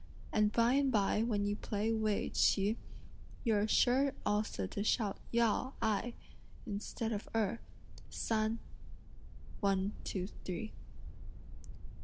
And by and by when you play 'Wei Ch'i' you're sure also to shout out yao, ai, (instead of erh), san; (one, two, three)."